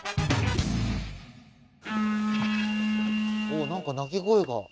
お何か鳴き声が。